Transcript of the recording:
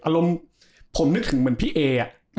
อารมณ์ผมนึกถึงเหมือนพี่เอ